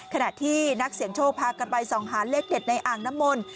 ขณะที่นักเสี่ยงโชคพากันไปส่องหาเลขเด็ดในอ่างน้ำมนต์